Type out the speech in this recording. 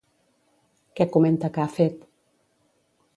Què comenta que ha fet?